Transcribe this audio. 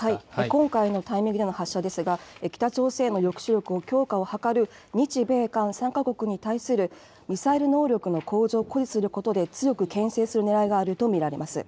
今回のタイミングでの発射ですが、北朝鮮の抑止力の強化を図る日米韓３か国に対する、ミサイル能力の向上を誇示することで、強くけん制するねらいがあると見られます。